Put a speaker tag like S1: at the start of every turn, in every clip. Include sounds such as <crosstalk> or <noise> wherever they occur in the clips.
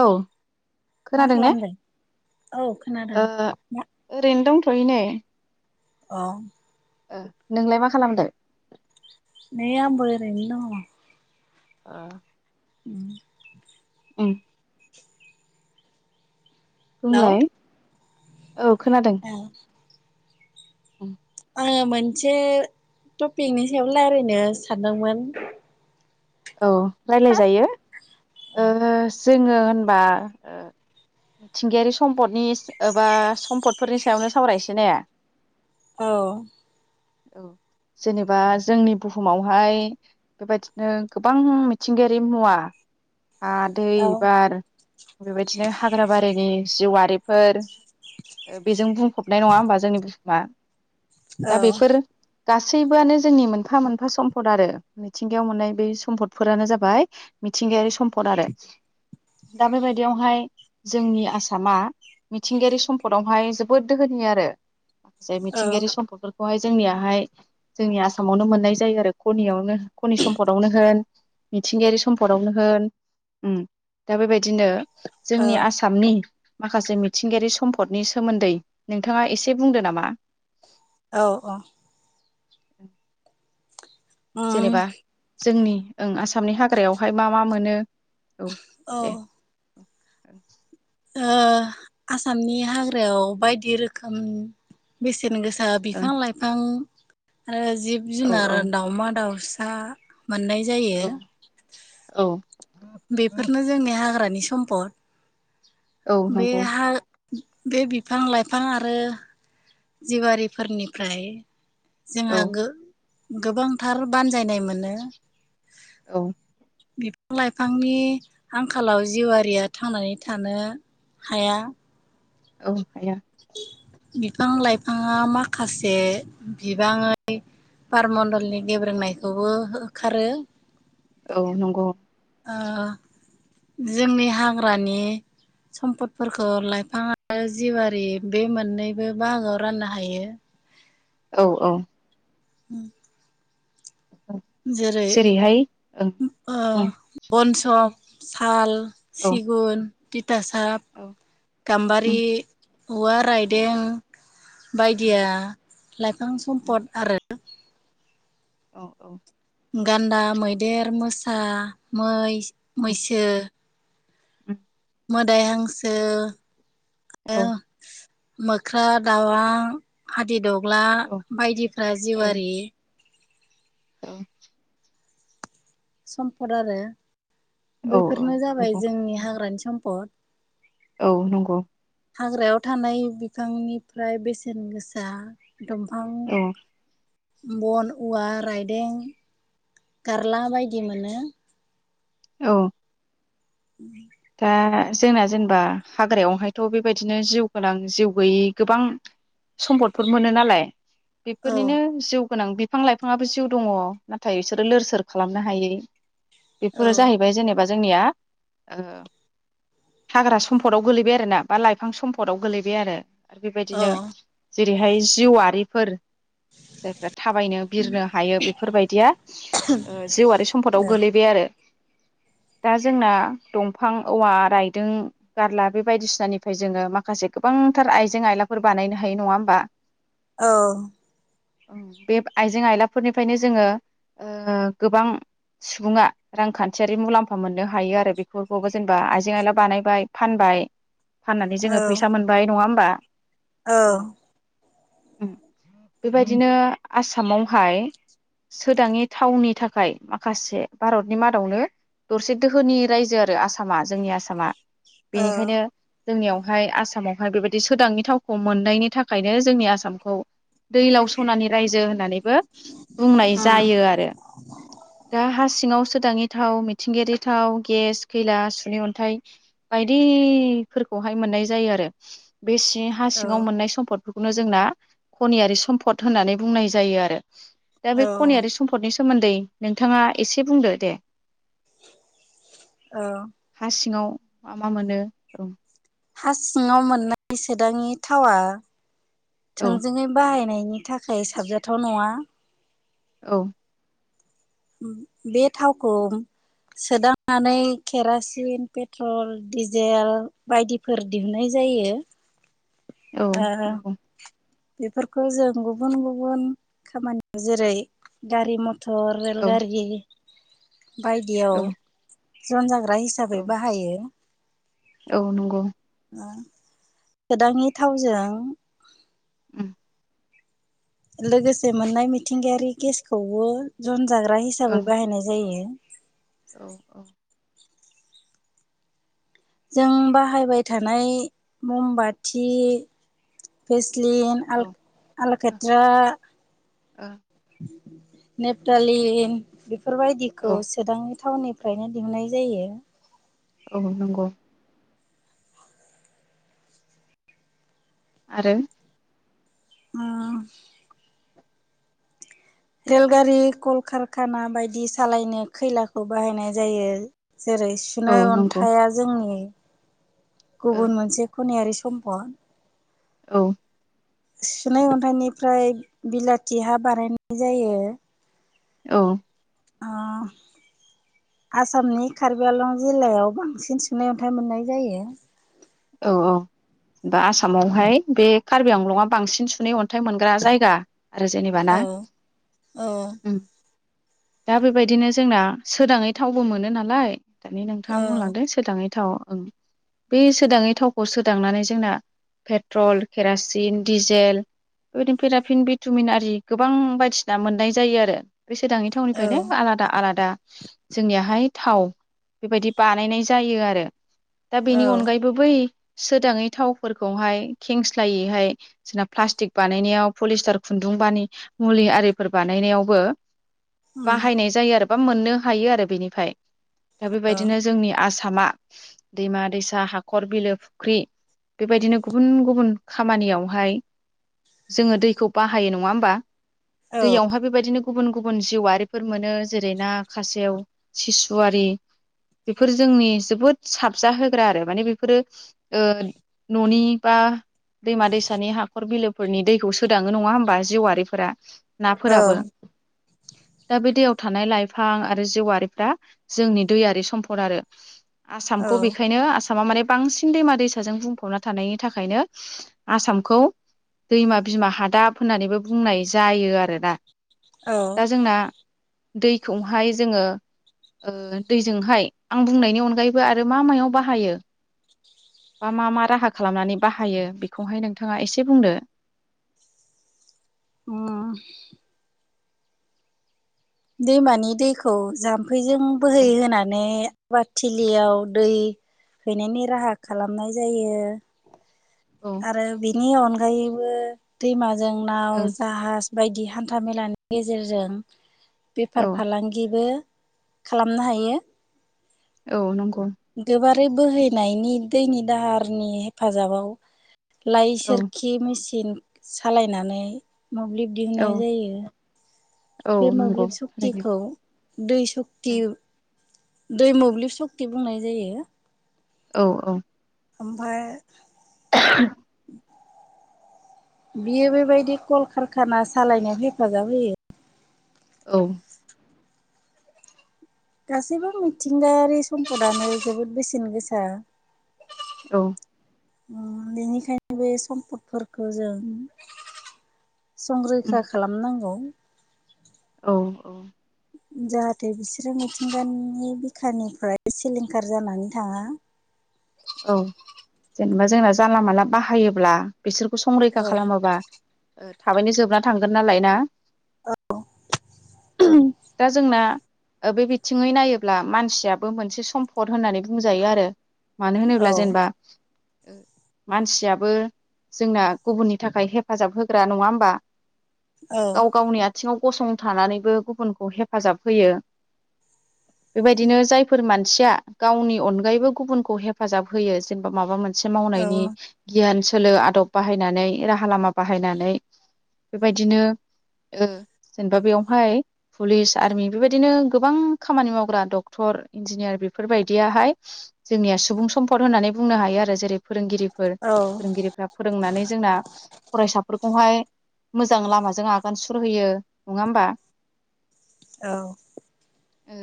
S1: औ।
S2: मा
S1: खोनादों ने
S2: खालामदों? औ खोनादों।
S1: ओरैनो दंथ'यै नै।
S2: औ।
S1: नोंलाय मा खालामदो।
S2: नोय आंबो‌ ओरोयनो दं।
S1: ओ।
S2: उम।
S1: उम। बुंलाय। औ खोनादों।
S2: औ
S1: उम
S2: आङो मोनसे टपिकनि सायाव रायजलायनो सानदोंमोन।
S1: औ रायलाय जायो।
S2: औ।
S1: जोङो होनबा। मिथिंगायारि सम्पदनि एबा सम्पदफोरनि सायावनो सावरायसै ने।
S2: औ।
S1: औ जेनेबा जोंनि बुहुमावहाय बेबायदिनो। गोबां मिथिंगायारि मुवा हा दै
S2: औ
S1: बार बेबायदि। बिदिनो हाग्रा बारिनि जिउआरिफोर बेजों बुंफबनाय नङा होमबा जोंनि। मा दा बेफोर। गासैबोआनो जोंनि मोनफा मोनफा सम्फद आरो मिथिंगायाव मोननाय बेै। सम्पदफोरानो जाबाय मिथिंगायारि सम्पद आरो दा बेबायदियावहाय। जोंनि आसामा मिथिंगायारि सम्पदावहाय जोबोद दोहोनि आरो। माखसे
S2: औ
S1: मिथिंगायारि सम्पफोरखौ। बेखौहाय जोंनियाहाय जोंनि आसामावनो मोननाय जायो आरो कनियावनो कनि सम्पदावनो होन। मिथिंगायारि सम्पदावनो होन दा बेबायदिनो।
S2: औ
S1: जोंनि आसामनि। माखासे मिथिंगायारि सम्फदनि सोमोन्दै नोंथाङा एसे बुंदो नामा।
S2: औ औ।
S1: <inaudible>
S2: उम
S1: जेनेबा जोंनि ओं आसामनि हाग्रायावहाय मा मा मोनो? औ
S2: औ
S1: दे औ
S2: ओ आसामनि हाग्रायाव बायदि रोखोम बे बेसेन गोसा
S1: ओं
S2: बिफां लाइफां आरो जिब
S1: औ
S2: जुनार दाावमा दाउस सा मोननाय जायो
S1: औ औ औ
S2: बेफोरनो जोंनि हाग्रानि सम्पद
S1: औ
S2: बे
S1: नंगौ
S2: हा बे बिफां लाइफां आरो जिवारिफोरनिफ्राय
S1: औ
S2: जोंहा गो-गोबांथार बानजायनाय मोनो
S1: औ
S2: बिफां लाइफांनि आंखालाव जिउआरिया थांनानै थानो हाया
S1: औ हाया
S2: बिफां लाइफाङा माखासे बिबाङै बारमण्डलनि गेब्रोंनायखौबो होखारो
S1: औ नंगौ
S2: ओ जोंनि हाग्रानि सम्फदफोरखौ लाइफां आरो जिवारि बे मोननैबो बाहागोआव राननो हायो
S1: औ औ
S2: ओम जेरै
S1: जेरैहाय ओं
S2: ओ
S1: बुं
S2: बनसक साल
S1: औ
S2: सिगुन, तिथा साब
S1: औ
S2: गाम्बारि,
S1: उम
S2: औवा
S1: औ
S2: रायदें
S1: उम
S2: बायदिया लाइफां
S1: उम
S2: सम्फद आरो
S1: औ औ
S2: गान्दा, मैदेर, मोसा, मै, मैसो
S1: ओम
S2: मोदाइ हांसो
S1: औ
S2: मोख्रा, दाव, हादिदग्ला
S1: औ
S2: बायदिफ्रा जिउआरारि
S1: औ
S2: सम्पद आरो
S1: औ औ
S2: बैफोरनो जाबाय
S1: नंगौ
S2: जोंनि हाग्रानि सम्पद।
S1: औ नंगौ
S2: हाग्रायाव थानाय बिफांनिफ्राय बेसेन गोसा दंफां
S1: औ
S2: बन औवा राइडें गारला बायदि मोनो।
S1: औ
S2: <unintelligible>
S1: दा जोंना जेनेबा हाग्रायावहायथ' बेबायदिनो जिउ गोनां जिउ गोैयि गोबां सम्पदफोर मोनो नालाय
S2: औ
S1: बेफोरनिनो जिउ गोनां बिफां लाइफाङाबो जिउ दङ' नाथाय बिसोरो लोर सोर खालामनो हायै
S2: औ
S1: बेफोरो जाहैबाय जेनेबा जोंनिया ओ हाग्रा सम्फदाव गोलैबाय आरोना बा लाइफां सम्फदाव गोलैबाय आरो आरो
S2: औ
S1: बेबायदिनो जेरैहाय जिउआफोर
S2: <unintelligible>
S1: जायफ्रा थाबायनो बिरनो हायो बेफोरबायदिया ओ जिउआरारि सम्फदाव गोलैबाय आरो दा जोंना दं फां औवा रायदों गारला बे बायदिसिनानिफ्राय जोङो माखासे गोबांथार आइजें आइलाफोर बा नायनो हायो नङा होमबा?
S2: औ
S1: औ बे आइजें आयलाफोरनिफ्रायनो जोङो। ओ-गोबां सुबुङा रांखान्थियारि मुलाम्फा मोननो हायो आरो बेख बेफोरखौबो जेनेबा आइजें आइला बानायबाय फानबाय फाननानै
S2: औ
S1: जोङो फैसा मोनबाय नङा होमबा।
S2: औ
S1: बेबायदिनो आसामावहाय। सोदाङि थावनि थाखाय माखासे भारतनि मादावनो। दरसे दोहोनि रायजो आरो आसामा जोंनि आसामा बेनिखायनो। जोंनियावहाय आसामावहाय बेबायदि सोदाङि थावखौ मोननायनि थाखायनो जोंनि आसामखौ। दैलाव सनानि रायजो होननानै बो बुंनाय जायो आरो दा हा सिङाव सोदाङै थाव मिथिंगायारि थाव गेस। खैला सुनि अन्थाइ बायदिफोरखौहाय मोननाय जायो आरो बे सिं हा
S2: औ
S1: सिङाव मोननाय सम्पदफोरखौनो जोंना खनियारि सम्पद होननानै बुंनाय जायो आरो। दा बे खनियारि सम्फदनि सोमोन्दै नोंथाङा एसे बुंदो दे? हा सिङाव मा मा मोनो औ।
S2: हा सिङाव मोननाय सोदांङि थावा थोंजोङै बाहायनाय नि थाखाय साबजाथाव नङा।
S1: औ
S2: बे थावखौ। सोदांनानै केरासिन पेट्रल दिडिजेल बायदिफोर दिहुननाय जाय जायो
S1: औ
S2: ओ
S1: नंगौ
S2: बेफोरखौ जों गुबुन गुबुन खामानियाव जेरै गारि मथ थर रेल
S1: औ
S2: गारि बायदियाव
S1: औ
S2: जन जाग्रा हिसाबै
S1: औ
S2: बाहायो।
S1: औ नंगौ
S2: सोदाङि थावजों।
S1: उम
S2: लोगोसे मोननाय मिथिंगायारि गेसखौबो जन जाग्रा हिसाबै
S1: ओं
S2: बाहायनाय जायो।
S1: औ औ
S2: जों बाहायबाय थानाय ममबाथि फेस लिन
S1: औ ओ
S2: आल-आलकेट्रा। नेपटालिन
S1: ओ
S2: बेफोरबायदिखौ
S1: औ
S2: सोदां टाउन निफ्रायनो दिहुननाय जायो।
S1: औ नंगौ आरो
S2: उम रेलगारि कलकारखाना बायदि सालायनो खैलाखौ बाहायनाय जायो। जेरै
S1: औ
S2: सुनै
S1: नंगौ
S2: अन्थाया जोंनि। गुबुन मोनसे खनियारि सम्पद।
S1: औ
S2: सुनै अन्थाइनिफ्राय बिलाथि हा बानायनाय जायो।
S1: औ
S2: ओ आसामनि कार्बि आलं जिल्लायाव बांसिन सुनैय अन्थाइ मोननाय जायो।
S1: औ औ बा आसामावहाय बे कार्बि आंलंआ बांसिन सुनै अन्थाइ मोनग्रा जायगा। आरो जेनेबा ना
S2: औ औ
S1: उम दा बेबायदिनो जोंना सोदाङै थावबो मोनो नालाय दानि नोंथाङा बुंलांदों सोरोदाङै - थाव बे सोदाङै थावखौ सोदांनानै जोंना पेट्रल केरासिन डिजेल। बेबायदिनो पेराफिन भिटामिन आरि गोबां बायदिसिना मोननाय जायो आरो बे सोदाङि
S2: औ
S1: थाउनिफायलै आलादा आलादा जोंनियाहाय थाव बेबायदि बानायनाय जायो आरो दा बेनि
S2: औ
S1: अनगायै फोयै सोदाङै थावफोरखौहाय खेंस्लायैहाय जोंना प्लास्टिक बानायनायाव फलिस टार खुन्दुंबानि मुलि आरिफोर बानायनायावबो
S2: उम
S1: बाहायनाय जायो आरो बा मोननो हायो आरो बेनिफाय दा
S2: औ
S1: बेबायदिनो जोंनि आस ामा दैमा दैसा हा खर बिलो फुख्रि बेबायदिनो गुबुन गुबुन खामानियावहाय जोङो दैखौ बाहायो नङा होमबा
S2: औ
S1: दैयावहाय बेबायदिनो गुबुन गुबुन जिउआरिफोर मोनो जेरै ना खासेव सिसुवारि बेफोर जोंनि जोबोद साबजा होग्रा आरो माने बे फोरो ओ न'नि बा दैमा दैसानि हाखर बिलो फोरनि दैखौ सोदाङो नङा होमबा जिउआरिफोरा
S2: औ
S1: नाफोराबो
S2: <inaudible>
S1: दा बे दैयाव थानाय लाइफां आरो जेवआरिफ्रा जोंनि दैआरि सम्पद आरो दा
S2: औ
S1: आसामखौ बेखायनो आसामा माने बांसिन दैमा दैसाजों बुंफबना थानायनि थाखायनो आसामखौ दैमा बिमा हादाब होननानैबो बुंनाय जायो आरोना
S2: औ
S1: दा जोंना दैखौहाय जोङो ओ दैजोंहाय आं बुंनायनि अनगायैबो आरो मा मायाव बाहायो। मा मा राहा खालामनानै बाहायो बेखौहाय नोंथाङा एसे बुंदो
S2: उम दैमानि दैखौ जाम्फैजों बोहै
S1: औ
S2: होनानै आबादथिलियाव दै हैनायनि राहा
S1: औ
S2: खालामनाय जायो
S1: औ
S2: आरो बिनि अनगायैबो दैमाजों नाव
S1: ओं
S2: जाहाज बायदि हान्था मेलानि गेजेरजों
S1: औ
S2: बेफार फालांगिबो खालामनो हायो।
S1: औ नंगौ
S2: गोबारै बोहैनायनि दैनि दाहारनि हेफाजाबाव लाइ
S1: औ
S2: सोरखि मेचिन सालायनानै मोब्लिब
S1: औ
S2: दिहुननाय जायो।
S1: औ
S2: बे
S1: नंगौ
S2: मोब्लिब
S1: थारैनो
S2: सक्तिखौ दै सक्ति दै मोब्लिब सक्ति बुंनाय जायो।
S1: औ औ
S2: ओमफाय
S1: <unintelligible>
S2: <inaudible> बियो बेबायदि कलकारखाना सालायनायाव हेफाजाब होयो।
S1: औ
S2: गासैबो मिथिंगायारि सम्पदानो जोबोद बेसेन गोसा
S1: औ
S2: उम बिनिखायनो बे सम्फदफोरखौ जों
S1: उम
S2: संरैखा खालामनांगौ।
S1: औ औ
S2: जाहाथे बिसोरो मिथिंगानि बिखानिफ्राय सिलिंखार जानानै थाङा। <inaudible>
S1: औ जेनेबा जोंना जानला मानला बाहायोब्ला बिसोरखौ संरैखा
S2: औ
S1: खालामाबा ओ थाबैनो जोबना थांगोन नालाय ना दा जोंना ओ बे बिथिङै नायोब्ला मानसियाबो मोनसे सम्फद होननानै बुंजायो आरो मानो होनोब्ला
S2: औ
S1: जेनेबा ओ मानसियाबो जोंना गुबुननि थाखाय हेफाजाब होग्रा नङा होमबा?
S2: औ
S1: गाव गावनि आथिङाव गसंथानानैबो गुबुनखौ हेफाजाब होयो। बेबायदिनो जायफोर मानसिया गावनि अनगायैबो गुबुनखौ हेफाजाब होयो जेनेबा माबा मोन से
S2: औ
S1: मावनायनि गियान सोलो आदब बाहायनानै राहा लामा बाहायनानै बेबायदिनो ओ जेनबा बेवहाय पुलिस आर्मि बेबायदिनो गोबां खामानि मावग्रा डक्टर इन्जिनियार बेफोरबायदियाहाय जोंनिया सुबुं सम्पद होननानै बुंनो हायो आरो जेरै फोरोंगिरिफोर
S2: औ
S1: फोरोंगिरिफ्रा फोरोंनानै जोंना फरायसाफोरखौहाय मोजां लामाजों आगान सुरहोयो नङा होमबा?
S2: औ।
S1: ओ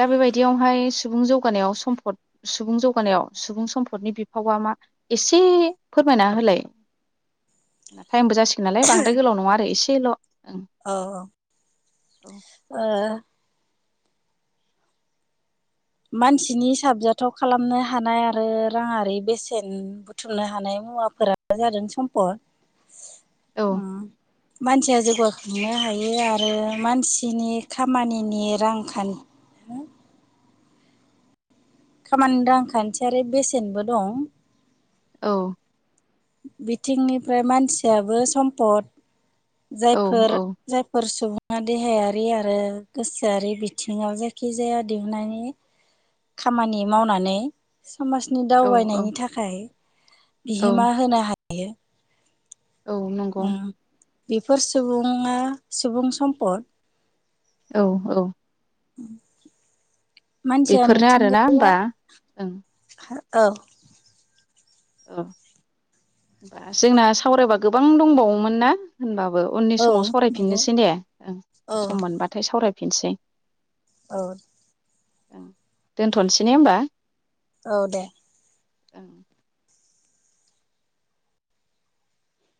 S1: दा बेबायदियावहाय सुबुं जौगानायाव सम्फद सुबुं जौगानायाव सुबुं सम्पदनि बिफावा मा एसे फोरमायना होलाय। टाइमबो जासिगोन नालाय बांद्राय गोलाव नङा आरो एसेल'।
S2: अ-अ
S1: औ
S2: ओ मानसिनि साबजाथाव खालामनो हानाय आरो राङारि बेसेन बुथुमनो हानाय मुवाफोरानो जादों सम्फद। उम मानसिया जौगाखांनो हायो आरो मानसिनि खामानिनि रांखान हो खामानि रांखान्थियारि बेसेनबो दं।
S1: औ।
S2: बिथिंनिफ्राय मानसियाबो सम्पद
S1: औ
S2: जायफोर- जायफोर सुबुं बा देहायारि आरो गोसोआरि बिथिङाव जायखिजाया दिहुननायनि खामानि
S1: औ
S2: मावनानै समाजनि
S1: औ औ
S2: दावबायनायनि थाखाय
S1: औ
S2: बिहोमा होनो हायो। <unintelligible>
S1: औ नंगौ।
S2: उम बेफोर सुबुङा सुबुं सम्पद।
S1: औ-औ।
S2: मानसिया
S1: बेफोरनो आरोना
S2: मिथिंगाया
S1: होमबा ओं
S2: हा औ।
S1: औ होनबा जोंना सावरायबा गोबां दंबावोमोन ना होनबा बो उननि
S2: औ
S1: समाव
S2: नंगौ
S1: सावरायफिननोसैने ओं
S2: औ
S1: सम मोनबाथाय सावरायफिनसै।
S2: औ।
S1: ओं दोनथ'नोसै ने होमबा?
S2: औ दे।
S1: ओं।